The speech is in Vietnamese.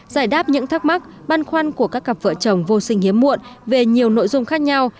giải đáp những thắc mắc băn khoăn của các cặp vợ chồng vô sinh hiếm muộn về nhiều nội dung khác nhau